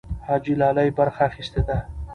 حاجي لالي برخه اخیستې ده.